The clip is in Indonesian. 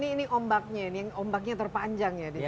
ini ombaknya terpanjang ya di sini ya